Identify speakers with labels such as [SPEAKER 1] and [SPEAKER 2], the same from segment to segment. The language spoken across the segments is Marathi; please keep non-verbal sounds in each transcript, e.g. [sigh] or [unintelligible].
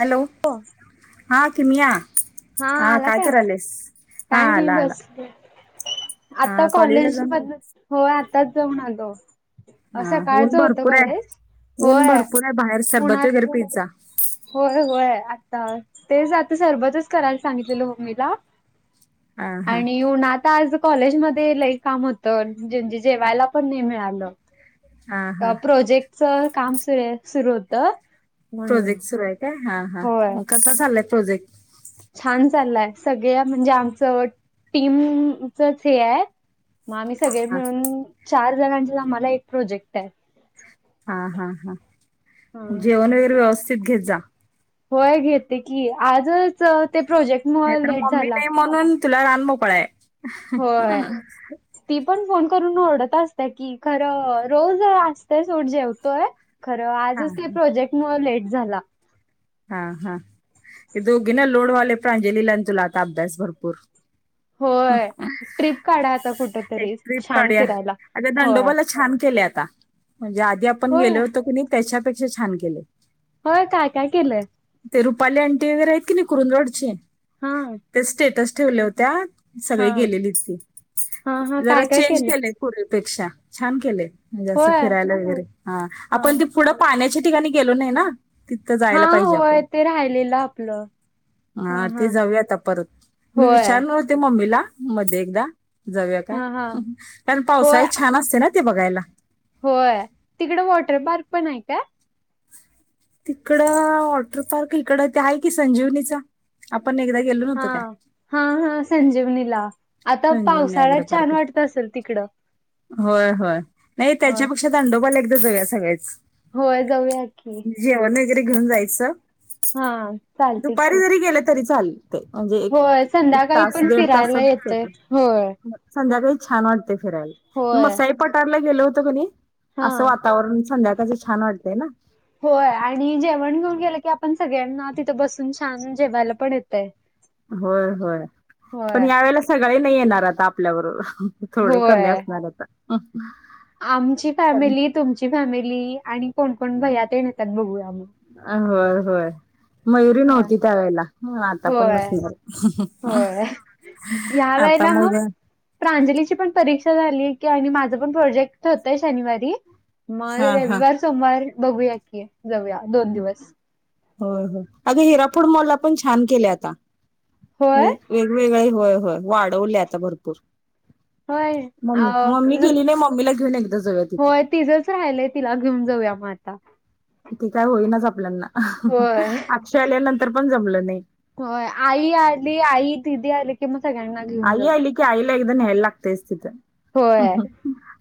[SPEAKER 1] हॅलो....
[SPEAKER 2] हो..
[SPEAKER 1] हां किमया-.
[SPEAKER 2] हा आला काय आवाज
[SPEAKER 1] हा
[SPEAKER 2] काय नाही
[SPEAKER 1] आला आला
[SPEAKER 2] बस.. आता
[SPEAKER 1] हा कॉलेजला
[SPEAKER 2] कॉलेज
[SPEAKER 1] जाऊन आली?
[SPEAKER 2] मधनं हो आताच जाऊन आलो..
[SPEAKER 1] हा ऊन
[SPEAKER 2] सकाळचं होत
[SPEAKER 1] भरपूर आहे
[SPEAKER 2] कॉलेज होय, उन असतं...
[SPEAKER 1] पिझ्झा,
[SPEAKER 2] होय, होय आता तेच आता सर्बतच करायला सांगितलेलं, हो ममीला
[SPEAKER 1] हा हा
[SPEAKER 2] आणि उन्हात, आज कॉलेज मध्ये लईक काम होतं, म्हणजे जेवायला पण नाही मिळालं.
[SPEAKER 1] हा हा
[SPEAKER 2] प्रोजेक्टच काम, सु सुरू होत.
[SPEAKER 1] प्रोजेक्ट सुरू आहे काय हा हा मग कसा चाललाय प्रोजेक्ट..
[SPEAKER 2] छान चाललाय सगळ्या म्हणजे आमचं टीमच च हे आहे-. मग आम्ही सगळे
[SPEAKER 1] हा
[SPEAKER 2] मिळुन चार जणांचे आम्हाला एक प्रोजेक्ट-. आहे.
[SPEAKER 1] हा हा हा
[SPEAKER 2] ह
[SPEAKER 1] जेवण वगैरे व्यवस्थित घेत जा....
[SPEAKER 2] होय घेते की, आजच ते प्रोजेक्ट-..
[SPEAKER 1] नाही
[SPEAKER 2] मुळ
[SPEAKER 1] तर
[SPEAKER 2] लेट
[SPEAKER 1] मम्मी
[SPEAKER 2] झाला.
[SPEAKER 1] नाही म्हणुन, तुला रान मोकळा आहे,
[SPEAKER 2] होय. ती पण फोन करून, ओरढत असते की, खरं रोज असते सोट जेवतोय. खरं
[SPEAKER 1] हा
[SPEAKER 2] आजच ते,
[SPEAKER 1] हा
[SPEAKER 2] प्रोजेक्ट मूळ ते लेट झाला.
[SPEAKER 1] हा हा, ह्या दोघींला लोड होईलय, प्रांंजलला अन् तुला आता अभ्यास भरपूर,
[SPEAKER 2] होय ट्रीप काढा आता, कुठ तरी छान फिरायला.
[SPEAKER 1] अग
[SPEAKER 2] होय
[SPEAKER 1] दंडोबाला छान केले, आता म्हणजे आधी आपण गेलो
[SPEAKER 2] होय.
[SPEAKER 1] होतो, कुनी त्याच्यापेक्षा छान केले.
[SPEAKER 2] हो काय, काय केलंय?
[SPEAKER 1] ते रुपाली अंटी वगैरे आहेत, कीनी कुरुद वाढ ची
[SPEAKER 2] हा
[SPEAKER 1] ते स्टेटस ठेवल्या होत्या.
[SPEAKER 2] हा
[SPEAKER 1] सगळी गेलेली ती,
[SPEAKER 2] हा हा
[SPEAKER 1] जरा
[SPEAKER 2] काय काय
[SPEAKER 1] चेंज
[SPEAKER 2] केलंय
[SPEAKER 1] केले. पुर्वी पेक्षा छान केलेे, म्हणजे अस
[SPEAKER 2] होय.
[SPEAKER 1] फिरायला वगैरे,
[SPEAKER 2] हा
[SPEAKER 1] आपण ते पुढ पाण्याच्या ठिकाणी गेलो नाही ना, तिथं
[SPEAKER 2] हा
[SPEAKER 1] जायला जा
[SPEAKER 2] होय
[SPEAKER 1] आपण,
[SPEAKER 2] ते राहिलेलं आपलं
[SPEAKER 1] हा ते जाऊया आता परत, मी
[SPEAKER 2] होय
[SPEAKER 1] विचारल बोलणार होते म्मीला, मध्ये एकदा जाऊ का,
[SPEAKER 2] हा हा
[SPEAKER 1] कारण
[SPEAKER 2] होय
[SPEAKER 1] पावसाळी छान असते ना. ते बघायला.
[SPEAKER 2] होय, तिकड वॉटर पार्क पण आहे काय?
[SPEAKER 1] तिकडं वॉटर पार्क, इकड ते आहे की संजीवनीचा. आपण एकदा गेलो
[SPEAKER 2] हा,
[SPEAKER 1] नव्हतो काय
[SPEAKER 2] हा, हा, संजीवनीला आता
[SPEAKER 1] संजीवनी अॅग्रो
[SPEAKER 2] पावसाळ्यात छान
[SPEAKER 1] पार्क
[SPEAKER 2] वाटत असेल तिकडं.
[SPEAKER 1] होय, होय, नाही
[SPEAKER 2] होय
[SPEAKER 1] त्याच्यापेक्षा दांडोबाल एकदा जाऊया सगळेच.
[SPEAKER 2] होय जाऊया की.
[SPEAKER 1] टीफिन वगैरे, घेनऊन जायचं.
[SPEAKER 2] हा, चालते की.
[SPEAKER 1] [unintelligible] गेलं तरी चालते म्हणजे, एक
[SPEAKER 2] होय,
[SPEAKER 1] एक
[SPEAKER 2] संध्याकाळी
[SPEAKER 1] तास
[SPEAKER 2] पण
[SPEAKER 1] दीड
[SPEAKER 2] फिरायला
[SPEAKER 1] तासात
[SPEAKER 2] येतय,
[SPEAKER 1] येते
[SPEAKER 2] होय.
[SPEAKER 1] संध्याकाळी छान वाटते य, फिरायला
[SPEAKER 2] होय
[SPEAKER 1] मसासाई पटारला गेल होते की नाई,
[SPEAKER 2] हा
[SPEAKER 1] असं वातावरण, संध्याकाळचं छान वाटतय ना.
[SPEAKER 2] होय, आणि जेवण घेऊन गेलं की, आपण सगळ्यांना तिथे, बसून छान जेवायला पण येतय.
[SPEAKER 1] होय, होय पण
[SPEAKER 2] होय
[SPEAKER 1] या वेेळेला सगळे नाही येणार आता, आपल्या बरोबर. थोडे कमी,
[SPEAKER 2] होय
[SPEAKER 1] असणार आता.
[SPEAKER 2] आमची
[SPEAKER 1] कारण
[SPEAKER 2] फॅमिली, तुमची फॅमिली आणि कोण, कोण भैया तेन येतात बघूया मग,
[SPEAKER 1] हा, होय, होय, मयुरी
[SPEAKER 2] हा.
[SPEAKER 1] नव्हती त्या वेळेला, आता पण
[SPEAKER 2] होय,
[SPEAKER 1] नसणार.
[SPEAKER 2] होय. ह्या
[SPEAKER 1] आता
[SPEAKER 2] वेळेला
[SPEAKER 1] मग,
[SPEAKER 2] प्रांजलीची पण परीक्षा झाली कि, आणि माझं पण प्रोजेक्ट होतय शनिवारी. मग
[SPEAKER 1] हा हा
[SPEAKER 2] रविवार सोमवार बघूया की, जाऊया दोन दिवस.
[SPEAKER 1] होय, होय अगं, हिरापूड मॉलला पण छान केले, आता.
[SPEAKER 2] होय,
[SPEAKER 1] वेगवेगळे होय, होय वाढवले आता भरपूर,
[SPEAKER 2] होय. अ
[SPEAKER 1] मम्मी, मम्मी
[SPEAKER 2] न
[SPEAKER 1] गेली नाही मम्मीला घेऊन एकदा, जाऊया तिथे,
[SPEAKER 2] होय तिझंच राहिलंय तिला घेऊन जाऊया मग आता
[SPEAKER 1] किती काय होईनाच आपल्याना
[SPEAKER 2] होय,
[SPEAKER 1] अक्षय आल्यानंतर पण जमलं नाही
[SPEAKER 2] हो आई आली आई, दिदी आली की मग सगळ्यांना- घेऊन
[SPEAKER 1] आई
[SPEAKER 2] जाऊया.
[SPEAKER 1] आली की आईला एकदा न्यायला लागतयेस तिथ... अं
[SPEAKER 2] होय,
[SPEAKER 1] ह्....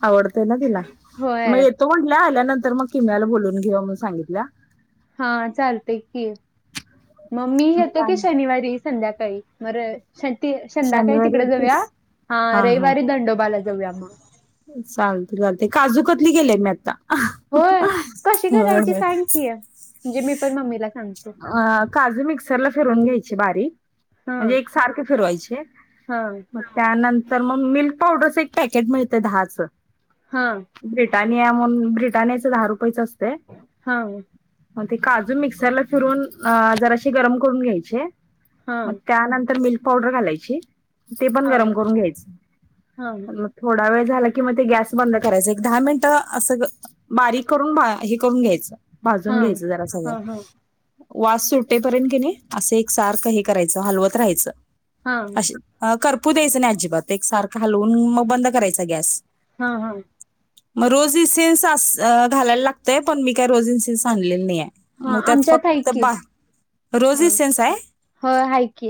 [SPEAKER 1] आवडतय ना तिला मग
[SPEAKER 2] होय.
[SPEAKER 1] एक... - तो म्हंटलं आल्यानंतर मग किमयाला बोलुन घेवू म्हणून सांगितल्या-
[SPEAKER 2] हा चालतेय की, मग मी येतो की
[SPEAKER 1] मग
[SPEAKER 2] शनिवारी संध्याकाळी म रविवारी शती संधाकाळी
[SPEAKER 1] शनिवारी
[SPEAKER 2] तिकडे जाऊया,
[SPEAKER 1] येतीस?
[SPEAKER 2] हा रविवारी दंडोबाला जाऊया मग.
[SPEAKER 1] चालत चालते, काजूकत्तली, गेले मी आता.
[SPEAKER 2] होय कशी
[SPEAKER 1] होय
[SPEAKER 2] करायची
[SPEAKER 1] होय.
[SPEAKER 2] सांग की, म्हणजे मी पण मम्मीला सांगतो
[SPEAKER 1] अ काजू मिक्सरला, फिरून घ्यायची बारीक.
[SPEAKER 2] हा
[SPEAKER 1] म्हणजे एक सारखे फिरवायचे,
[SPEAKER 2] हा
[SPEAKER 1] त्यानंतर मग मिल्क पावडरच एक पॅकेट मिळतं दहाचं
[SPEAKER 2] हा
[SPEAKER 1] ब्रिटानिया म्हणून ब्रिटानियाच दहा रुपयेच असते
[SPEAKER 2] हा
[SPEAKER 1] मग ते काजू मिक्सरला फिरून जराशी गरम करून घ्यायचे
[SPEAKER 2] हा
[SPEAKER 1] मग त्यानंतर मिल्क पावडर घालायची ते पण
[SPEAKER 2] हा हा
[SPEAKER 1] गरम करून
[SPEAKER 2] हा
[SPEAKER 1] घ्यायचं थोडा वेळ झाला की मग ते गॅस बंद करायचं एक दहा मिनिटं असं बारीक करून हे करून घ्यायचं भाजून
[SPEAKER 2] हा
[SPEAKER 1] घ्यायचं जरा सगळं
[SPEAKER 2] हा
[SPEAKER 1] वास सुटेपर्यंत की नाही असं एक सारख हे करायचं हलवत राहायचं
[SPEAKER 2] हा
[SPEAKER 1] असे करपू द्यायचं नाही अजिबात एक सारखं हलवून मग बंद करायचा गॅस
[SPEAKER 2] हा हा
[SPEAKER 1] मग रोज इन सिन् घालायला लागतय पण मी काही रोज इन सिन्स आणलेली नाही आहे
[SPEAKER 2] हा
[SPEAKER 1] मग त्यात
[SPEAKER 2] आमच्याता
[SPEAKER 1] फक्त बा रोजी सनस आहे
[SPEAKER 2] होय आहे की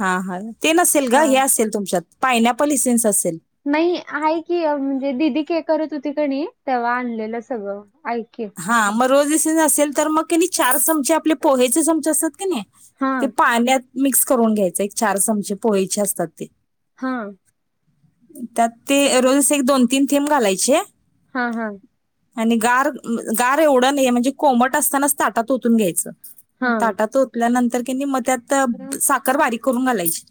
[SPEAKER 1] हा हा ते नसेल ग
[SPEAKER 2] हा
[SPEAKER 1] हे असेल तुमच्यात पायनॅपल इसन्स असेल
[SPEAKER 2] नाही आहे की म्हणजे दिदी के करत होती कणी तेव्हा आणलेलं सगळं ऐके
[SPEAKER 1] हा मग रोज असेल तर मग त्यांनी चार चम आपले पोहेचे चम असतात क नाही
[SPEAKER 2] हा
[SPEAKER 1] ते पाण्यात मिक्स करून घ्यायच एक चार चमचे पोळीचे असतात ते
[SPEAKER 2] हा
[SPEAKER 1] त्यात ते रोजच एक दोन तीन थेंब घालायचे
[SPEAKER 2] हा हा
[SPEAKER 1] आणि गार गार एवढं नाहीे म्हणजे कोमट असतानाच ताटात ओतून घ्यायचं
[SPEAKER 2] हा
[SPEAKER 1] ताटा तोतल्यानंतर त्यांनी मग त्यात साखर बारीक करून घालायची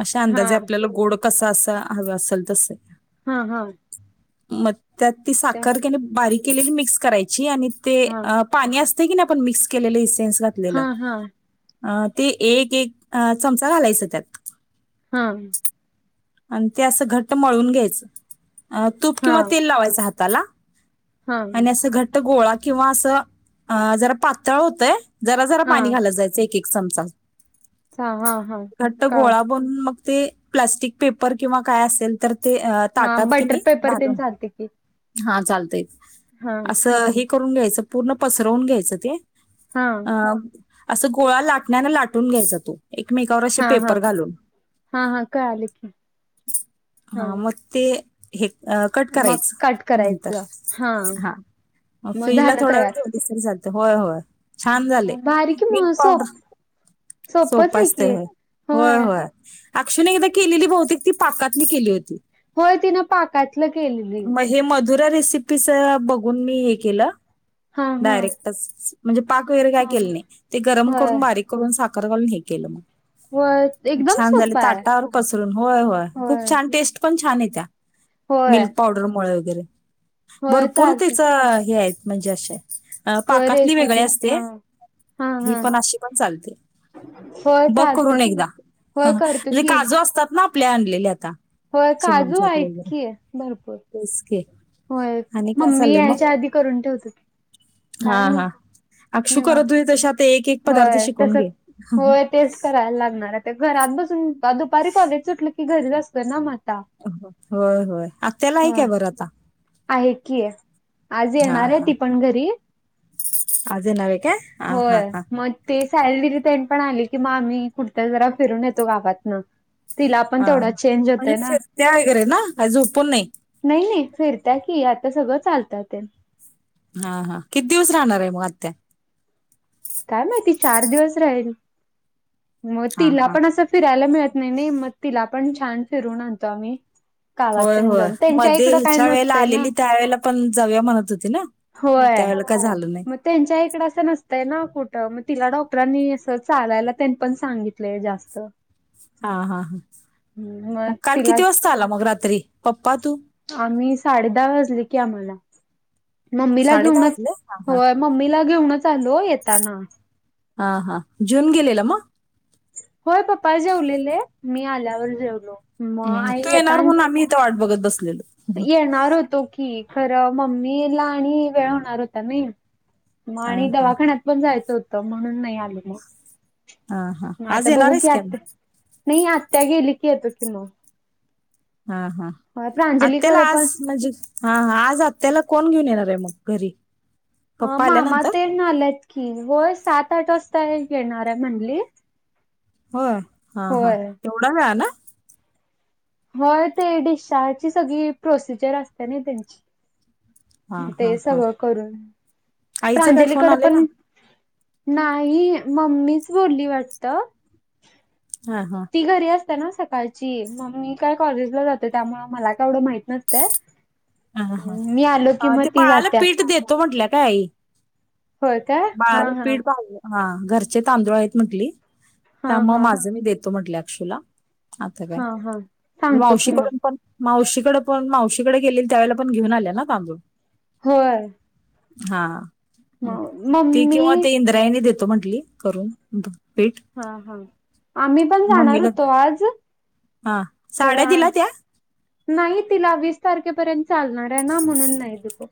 [SPEAKER 1] अशा
[SPEAKER 2] हा
[SPEAKER 1] अंदाजे आपल्याला गोड कसा असा ह असेल तस
[SPEAKER 2] हा हा
[SPEAKER 1] मग त्यात ती
[SPEAKER 2] ते
[SPEAKER 1] साखर त्याने बारीक केलेली मिक्स करायची आणि ते
[SPEAKER 2] हा
[SPEAKER 1] पाणी असत की नाही आपण मिक्स केलेलं इसेन्स
[SPEAKER 2] हा
[SPEAKER 1] घातलेलं
[SPEAKER 2] हा
[SPEAKER 1] अ ते एक एक चमचा घालायचं त्यात
[SPEAKER 2] हा
[SPEAKER 1] आणि ते असं घट्ट मळवून घ्यायचं तूप
[SPEAKER 2] हा
[SPEAKER 1] किंवा तेल लावायचं हाताला
[SPEAKER 2] हा
[SPEAKER 1] आणि असं घट्ट गोळा किंवा असं जरा पातळ होतय जरा जरा पाणी घालत जायचं एक एक चमचा
[SPEAKER 2] हा हा
[SPEAKER 1] घट्ट
[SPEAKER 2] काल
[SPEAKER 1] गोळा बनून मग ते प्लास्टिक पेपर किंवा काय असेल तर ते
[SPEAKER 2] हा
[SPEAKER 1] ताटात कि
[SPEAKER 2] बटर
[SPEAKER 1] नाही
[SPEAKER 2] पेपर तेन
[SPEAKER 1] घालून
[SPEAKER 2] चालते की
[SPEAKER 1] हा चालतय
[SPEAKER 2] हा
[SPEAKER 1] असं हे करून घ्यायचं पूर्ण पसरवून घ्यायचं ते
[SPEAKER 2] हा
[SPEAKER 1] अ, असं गोळा लाटण्याने लाटून घ्यायचा तो एकमेकावर असे
[SPEAKER 2] हा हा
[SPEAKER 1] पेपर घालून
[SPEAKER 2] हा हा कळले की
[SPEAKER 1] हा मग ते हे कट
[SPEAKER 2] मग कट
[SPEAKER 1] करायचं नंतर
[SPEAKER 2] करायचं
[SPEAKER 1] हा
[SPEAKER 2] मग
[SPEAKER 1] फ्रीज ला
[SPEAKER 2] झालं
[SPEAKER 1] थोडा वेळ
[SPEAKER 2] तयार
[SPEAKER 1] ठेवतेसरी होय होय छान झाले
[SPEAKER 2] भारी कि
[SPEAKER 1] मिल्क
[SPEAKER 2] मग सोप
[SPEAKER 1] पावडर
[SPEAKER 2] सोपच
[SPEAKER 1] सोप
[SPEAKER 2] आहे
[SPEAKER 1] असते
[SPEAKER 2] की
[SPEAKER 1] होय होय होय. अक्षु एकदा केलेली बहुतेक ती पाकातली केली होती.
[SPEAKER 2] होय तिनं पाकातलं केलेलं
[SPEAKER 1] मग हे मधुरा रेसिपीच बघून मी हे केलं
[SPEAKER 2] हा हा
[SPEAKER 1] डायरेक्टच म्हणजे पाक वगैरे काय केलं
[SPEAKER 2] ह
[SPEAKER 1] नाही ते गरम
[SPEAKER 2] होय
[SPEAKER 1] करून बारीक करून साखर घालून हे केलं मग.
[SPEAKER 2] होय एकदम
[SPEAKER 1] छान झाले
[SPEAKER 2] सोपा आहे
[SPEAKER 1] ताटावर होय होय खूप छान टेस्ट पण छान येत्या
[SPEAKER 2] होय
[SPEAKER 1] मिल्क पावडरमुळे वगैरे.
[SPEAKER 2] होय
[SPEAKER 1] भरपूर
[SPEAKER 2] चालते
[SPEAKER 1] त्याच हे आहेत म्हणजे अशे. अ
[SPEAKER 2] होय
[SPEAKER 1] पाकातली वेगळे
[SPEAKER 2] रेसिपी
[SPEAKER 1] असते
[SPEAKER 2] हा हा
[SPEAKER 1] ही
[SPEAKER 2] हा
[SPEAKER 1] पण अशी पण चालते.
[SPEAKER 2] होय
[SPEAKER 1] बघ करून
[SPEAKER 2] चालतय
[SPEAKER 1] एकदा
[SPEAKER 2] होय करतो
[SPEAKER 1] म्हणजे
[SPEAKER 2] की
[SPEAKER 1] काजू असतात ना आपल्या आणलेले आता.
[SPEAKER 2] होय काजू आहेत की भरपूर.
[SPEAKER 1] तेसकि.
[SPEAKER 2] होय मम्मी याच्या आधी करून ठेवतो. काय
[SPEAKER 1] हा हा
[SPEAKER 2] नाही
[SPEAKER 1] अक्षु
[SPEAKER 2] निवा
[SPEAKER 1] करत होती तशी आता एक एक पदार्थ
[SPEAKER 2] होय
[SPEAKER 1] शिकून
[SPEAKER 2] तस
[SPEAKER 1] घे
[SPEAKER 2] होय. तेचं करायला लागणार घरात बसून दुपारी कॉलेज सुटलं की घरीच असतं न म आता.
[SPEAKER 1] होय होय आत्याला आहे काय
[SPEAKER 2] होय
[SPEAKER 1] बरं आता?
[SPEAKER 2] आहे की आज
[SPEAKER 1] हा
[SPEAKER 2] येणार आहे
[SPEAKER 1] हा
[SPEAKER 2] ती पण घरी.
[SPEAKER 1] आज येणारे काय? हा
[SPEAKER 2] होय.
[SPEAKER 1] हा हा
[SPEAKER 2] मग ते सायली दीदींतें पण आली की मग आम्ही कुटतर जरा फिरून येतो गावातन. तिला पण तेवढा चेंज होतोय ना.
[SPEAKER 1] त्या वगैरे ना काय झोपूण नाही.
[SPEAKER 2] नाही नाही फिरत्या की आता सगळं चालत्या तेन.
[SPEAKER 1] हा हा किती दिवस राहणार आहे मग आत्या?
[SPEAKER 2] काय माहिती चार दिवस राहील मग
[SPEAKER 1] हा
[SPEAKER 2] तिला
[SPEAKER 1] हा
[SPEAKER 2] पण असं फिरायला मिळत नाही नाही मग तिला पण छान फिरून आणतो आम्ही. गावात
[SPEAKER 1] होय
[SPEAKER 2] तेन
[SPEAKER 1] होय
[SPEAKER 2] जाऊन त्यांच्या
[SPEAKER 1] मध्ये
[SPEAKER 2] इकडं काय
[SPEAKER 1] हिच्या वेळेला
[SPEAKER 2] नसतंय ना.
[SPEAKER 1] आलेली त्या वेळेला पण जाऊया म्हणत होती ना? त्या
[SPEAKER 2] होय.
[SPEAKER 1] वेळेला काय झालं नाही.
[SPEAKER 2] मग त्यांच्या इकडं असं नसतंय ना कूटं मग तिला डॉक्टरांनी असं चालायला तेन पण सांगितलंय जास्त.
[SPEAKER 1] हा हा हा मग काल किती वाजता आला मग रात्री पप्पा तू?
[SPEAKER 2] आम्ही साडे दहा वाजले की आम्हाला. मम्मीला
[SPEAKER 1] साडे दहा
[SPEAKER 2] घेऊनच
[SPEAKER 1] वाजले हा हा
[SPEAKER 2] होय मम्मीला घेऊनच आलो येताना.
[SPEAKER 1] हा हा जून गेलेला मग?
[SPEAKER 2] होय पप्पा जेवलेले मी आल्यावर जेवलो. मग
[SPEAKER 1] हम्म.
[SPEAKER 2] आई
[SPEAKER 1] तू येणार
[SPEAKER 2] येतान
[SPEAKER 1] म्हणून आम्ही इथे वाट बघत बसलेलो.
[SPEAKER 2] येणार होतो की खरं मम्मी ला आणि वेळ होणार होता नाही. मग
[SPEAKER 1] हा
[SPEAKER 2] आणि
[SPEAKER 1] हा
[SPEAKER 2] दवाखान्यात पण जायचं होतं म्हणून नाही आलो म.
[SPEAKER 1] हा हा
[SPEAKER 2] म
[SPEAKER 1] आज
[SPEAKER 2] आता
[SPEAKER 1] येणार
[SPEAKER 2] बघू
[SPEAKER 1] आहेस
[SPEAKER 2] की
[SPEAKER 1] काय
[SPEAKER 2] आत्या
[SPEAKER 1] मग
[SPEAKER 2] नाही आत्या गेली की येतो कि मग.
[SPEAKER 1] हा हा
[SPEAKER 2] होय
[SPEAKER 1] आत्याला
[SPEAKER 2] प्रांजलीकडं
[SPEAKER 1] आज
[SPEAKER 2] पण
[SPEAKER 1] म्हणजे हा आज आत्याला कोण घेऊन येणार आहे मग घरी? पप्पा
[SPEAKER 2] मामा
[SPEAKER 1] आल्यानंतर
[SPEAKER 2] तेन आल्यात की होय सात आठ वाजता येेणार आहे म्हणली.
[SPEAKER 1] होय हा हा
[SPEAKER 2] होय
[SPEAKER 1] तेढ्या वेळानं.
[SPEAKER 2] होय ते डिस्चार्जची सगळी प्रोसिजर असते ना त्यांची.
[SPEAKER 1] हा हा
[SPEAKER 2] ते
[SPEAKER 1] हा
[SPEAKER 2] सगळं करून
[SPEAKER 1] आईचा काय फोन
[SPEAKER 2] प्रांजलीकड
[SPEAKER 1] आलेला
[SPEAKER 2] पण नाही मम्मीच बोली वाटत.
[SPEAKER 1] हा हा.
[SPEAKER 2] ती घरी असते ना सकाळची मग मी काय कॉलेजला जाते त्यामुळं मला काय कवढं माहित नसतय.
[SPEAKER 1] हा हा ते
[SPEAKER 2] ती
[SPEAKER 1] बाळाला
[SPEAKER 2] जात्या
[SPEAKER 1] पीठ देतो म्हटलं काय आई
[SPEAKER 2] होय काय हा
[SPEAKER 1] बाळाला
[SPEAKER 2] हा
[SPEAKER 1] पीड पाजलं हा घरचे तांदूळ आहेत म्हंटली.
[SPEAKER 2] हा
[SPEAKER 1] त्यामुळं मग
[SPEAKER 2] हा
[SPEAKER 1] माझं मी देतो म्हटले अक्षुला. आता काय
[SPEAKER 2] हा हा सांगतो की मग
[SPEAKER 1] मावशीकडून पण मावशीकड पण मावशीकडे गेलेली त्यावेळेला पण घेऊन आल्या ना तांदूळ?
[SPEAKER 2] होय.
[SPEAKER 1] हा
[SPEAKER 2] [inaudible]
[SPEAKER 1] ती किंवा
[SPEAKER 2] मम्मी
[SPEAKER 1] ते इंद्रायणी देतो म्हंटली करून. पीठ.
[SPEAKER 2] हा हा आम्ही पण जाणार
[SPEAKER 1] मम्मीला
[SPEAKER 2] होतो आज
[SPEAKER 1] हां, साड्या
[SPEAKER 2] खरं
[SPEAKER 1] दिला त्या?
[SPEAKER 2] नाही तिला वीस तारखेपर्यंत चालणार आहे ना म्हणून नाही देतो.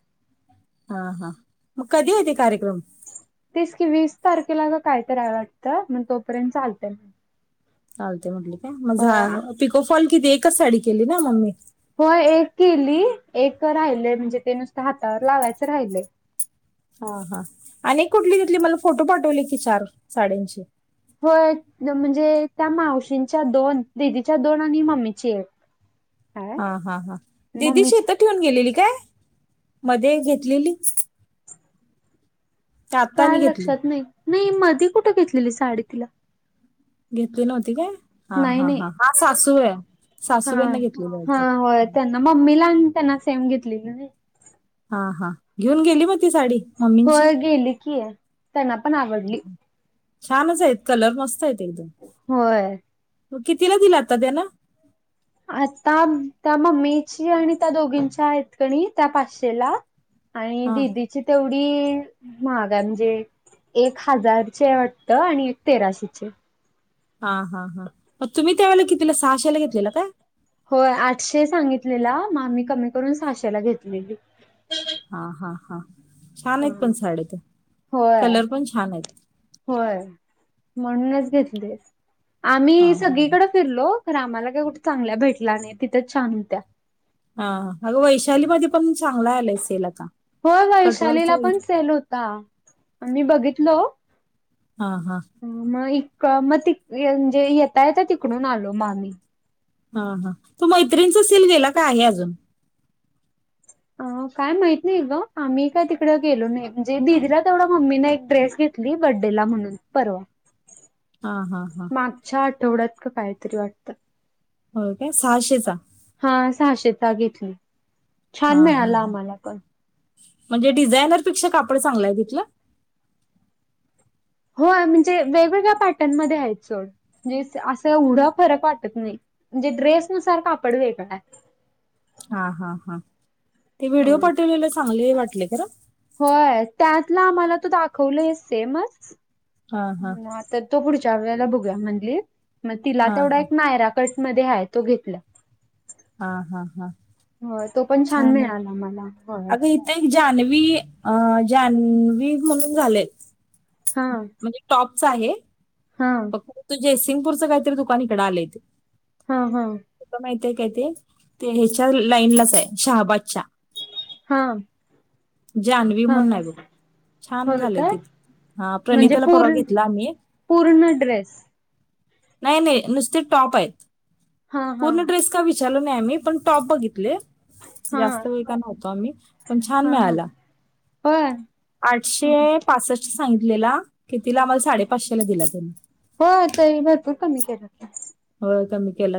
[SPEAKER 1] हा हा मग कधी ये ते कार्यक्रम?
[SPEAKER 2] तीस की वीस तारखेला कायतरीय वाटतं मग तोपर्यंत चालतंय
[SPEAKER 1] चालते म्हटले का म
[SPEAKER 2] हो
[SPEAKER 1] झा पिकोफॉल किती एकच साडी केली ना म मी.
[SPEAKER 2] हो एक केली, एक राहिले म्हणजे ते नुसत हातावर लावायचं राहिलंय
[SPEAKER 1] हा हा आणि कुठली घेतली मला फोटो पाठवले की चार साड्यांचे
[SPEAKER 2] होय म्हणजे त्या मावशींच्या दोन, दीदी या दोन आणि मम्मीची एक काय
[SPEAKER 1] हा हा हा दीदीची
[SPEAKER 2] मम्मीची
[SPEAKER 1] इथ ठेऊन गेलेली काय? मध्ये एक घेतलेली. का आता
[SPEAKER 2] काय
[SPEAKER 1] आणि घेतली
[SPEAKER 2] लक्षात नाही, मी मधी कुठं घेतलेली साडी तिला?
[SPEAKER 1] घेतली नव्हती काय? हा
[SPEAKER 2] नाही
[SPEAKER 1] हा
[SPEAKER 2] नाही
[SPEAKER 1] हां हा सासू
[SPEAKER 2] हा
[SPEAKER 1] सासूबाईंना घेतलिली
[SPEAKER 2] हा
[SPEAKER 1] वाटत.
[SPEAKER 2] होय त्यांना मम्मी ला त्यांना सेम घेतलेली ना.
[SPEAKER 1] हा हा घेऊन गेली मग ती साडी, मम्मी.
[SPEAKER 2] होय गेली की? त्यांना पण आवडली.
[SPEAKER 1] छानच आहेत कलर मस्त आहेत एकदम,
[SPEAKER 2] होय.
[SPEAKER 1] कितीला दिला आता त्याना.
[SPEAKER 2] आता त्या मम्मीची आणि त्या दोघींच्या आहेत कणी त्या पाचशेला. आणि
[SPEAKER 1] हा
[SPEAKER 2] दिदीची तेवढी महाग आहे म्हणजे. एक हजारची वाटत आणि एक तेराशीचे ई.
[SPEAKER 1] हा हा हा तुम्ही त्यावेळेला कितीला सहाशेला घेतलेलं काय?
[SPEAKER 2] होय आठशे सांगितलेला मग आम्ही कमी करून सहाशेला घेतलेली.
[SPEAKER 1] हा हा हा छान आहेत पण साड्या ते
[SPEAKER 2] होय
[SPEAKER 1] कलर पण छान आहेत.
[SPEAKER 2] होय म्हणूनच घेतले
[SPEAKER 1] हा
[SPEAKER 2] आम्ही
[SPEAKER 1] हा
[SPEAKER 2] सगळीकडे फिरलो पण आम्हाला काय कुठे चांगल्या भेटल्या नाही तिथंच छान होत्या.
[SPEAKER 1] हा अगं वैशाली मध्ये पण चांगला आलाय सेल आता कटवर
[SPEAKER 2] का मी बघितलो
[SPEAKER 1] हा हा
[SPEAKER 2] मग इक मग त म्हणजे येता येत तिकडून आलो म आम्ही.
[SPEAKER 1] हा हा तो मैत्रीणचा सेल गेला का आहे अजून?
[SPEAKER 2] अ काय माहित नाही ग आम्ही काय तिकडें गेलो नाही म्हणजे दीदीला तेवढा मम्मी ना एक ड्रेस घेत दि बड्डे ला म्हणून परवा
[SPEAKER 1] हा हा हा
[SPEAKER 2] मागच्या आठवड्यात का कायतरी वाटतं.
[SPEAKER 1] हो का सहाशेचा.
[SPEAKER 2] हा सहाशेचा घेतली.
[SPEAKER 1] हा
[SPEAKER 2] छान
[SPEAKER 1] हा
[SPEAKER 2] मिळाला
[SPEAKER 1] ह
[SPEAKER 2] आम्हाला पण
[SPEAKER 1] म्हणजे डिझायनरपेक्षा कापड चांगलंय तिथलं.
[SPEAKER 2] हो म्हणजे वेगवेगळ्या पॅटर्नमध्येध्ये आहेत सोड म्हजें अस एवढा फरक वाटत नाही म्हणजे ड्रेस नुसार कापड वेगळा आहे.
[SPEAKER 1] हा हा हा ते व्हिडिओ पाठवलेला चांगले वाटले खर.
[SPEAKER 2] होय त्यातला आम्हाला त दाखवलय सेमच
[SPEAKER 1] हा हा
[SPEAKER 2] तर तो पुढच्या वेळेला बघूया म्हणली. मग तिला
[SPEAKER 1] हा
[SPEAKER 2] तेवढा
[SPEAKER 1] हा
[SPEAKER 2] एक मायरा कट मध्ये आहे तो घेतल.
[SPEAKER 1] हा हा हा
[SPEAKER 2] हो तो पण छान मिळाला मला होय.
[SPEAKER 1] अगं इथे एक जान्हवी अ जान्हवी म्हणून झाले.
[SPEAKER 2] हा
[SPEAKER 1] म्हणजे टॉपच आहे.
[SPEAKER 2] हा.
[SPEAKER 1] तुझे सिंगपूरचं काहीतरी दुकान इकड आलेयत.
[SPEAKER 2] हा हा.
[SPEAKER 1] तु माहित आहे काय ते? ते ह्याच्या लाईन लाच आहे शहाबादच्या
[SPEAKER 2] हा.
[SPEAKER 1] जान्हवी
[SPEAKER 2] हा हा
[SPEAKER 1] म्हणून बघ छान
[SPEAKER 2] होय
[SPEAKER 1] झालंय
[SPEAKER 2] काय
[SPEAKER 1] तिथ, हा
[SPEAKER 2] म्हणजे
[SPEAKER 1] प्रणिताला परवा
[SPEAKER 2] पूर्ण
[SPEAKER 1] घेतला आम्ही.
[SPEAKER 2] पूर्ण ड्रेस?
[SPEAKER 1] नाही नाही नुसते टॉप आहेत,
[SPEAKER 2] हा हा
[SPEAKER 1] पूर्ण ड्रेस च विचारलं नाही आम्ही, पण टॉप बघितले.
[SPEAKER 2] हा
[SPEAKER 1] जास्त वेळ का नव्हतो आम्ही पण छान
[SPEAKER 2] हा हा
[SPEAKER 1] मिळाला.
[SPEAKER 2] होय हं, हं.
[SPEAKER 1] आठशे पासष्ट सांगितलेला, कितिला आम्हाला साडेपाचशे ला दिला.
[SPEAKER 2] हो तरी भरपूर कमी केलेत.
[SPEAKER 1] होय कमी केला.